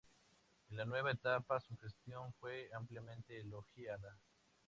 En la nueva etapa su gestión fue ampliamente elogiada.